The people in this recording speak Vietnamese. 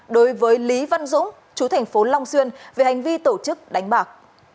đối với lý văn dũng chú thành phố long xuyên về hành vi tổ chức đánh bạc